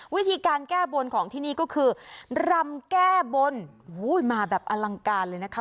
วิธีการแก้บนของที่นี่ก็คือรำแก้บนมาแบบอลังการเลยนะคะ